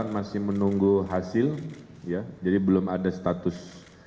dua puluh delapan masih menunggu hasil jadi belum ada status